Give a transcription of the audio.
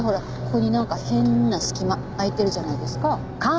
ここになんか変な隙間空いてるじゃないですか。